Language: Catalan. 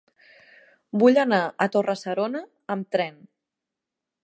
Vull anar a Torre-serona amb tren.